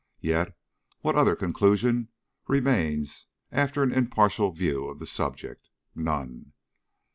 Yet, what other conclusion remains after an impartial view of the subject? None.